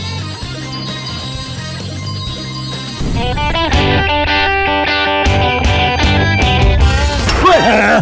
ไหล่ไหล่